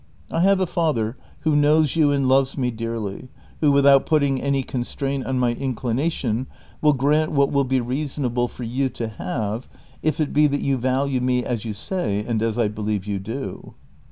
I have a father who knows you and loves me dearly, wlio without putting imy constraint on my inclination will grant what will be reasonable for you to have, if it be that you value me as you say and as I believe you do."